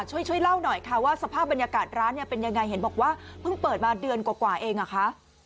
ช่วยเล่าหน่อยค่ะว่าสภาพบรรยากาศร้านเนี่ยเป็นยังไงเห็นบอกว่าเพิ่งเปิดมาเดือนกว่าเองอ่ะคะ